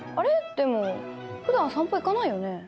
でもふだん散歩行かないよね。